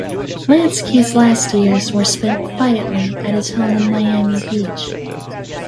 Lansky's last years were spent quietly at his home in Miami Beach.